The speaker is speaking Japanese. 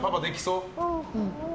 うん。